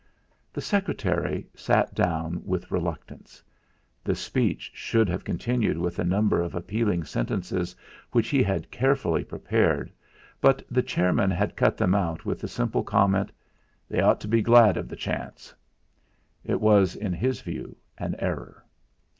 The secretary sat down with reluctance. The speech should have continued with a number of appealing sentences which he had carefully prepared, but the chairman had cut them out with the simple comment: "They ought to be glad of the chance." It was, in his view, an error.